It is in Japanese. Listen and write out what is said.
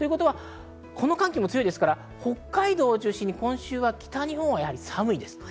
この寒気が強いですから北海道を中心に北日本は寒いです。